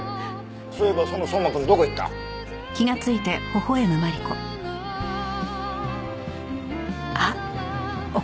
そういえばその相馬君どこ行った？あっ！